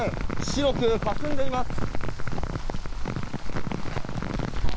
白くかすんでいます。